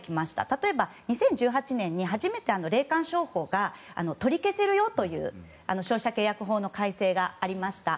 例えば、２０１８年に初めて霊感商法が取り消せるよという消費者契約法の改正がありました。